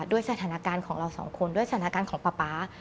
ด้วยสถานการณ์ของเราสองคนด้วยสถานการณ์ของป๊าป๊า